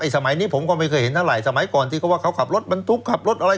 สมัยนี้ผมก็ไม่เคยเห็นเท่าไหร่สมัยก่อนที่เขาว่าเขาขับรถบรรทุกขับรถอะไร